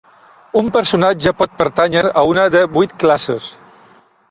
Un personatge pot pertànyer a una de vuit classes.